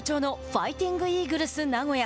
ファイティングイーグルス名古屋。